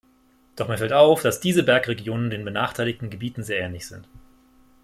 Doch mir fällt auf, dass diese Bergregionen den benachteiligten Gebieten sehr ähnlich sind.